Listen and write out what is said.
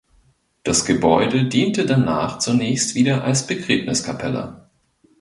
Das Gebäude diente danach zunächst wieder als Begräbniskapelle.